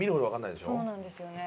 そうなんですよね。